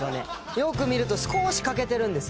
よく見ると少し欠けてるんです